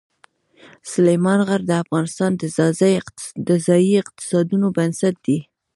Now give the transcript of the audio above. سلیمان غر د افغانستان د ځایي اقتصادونو بنسټ دی.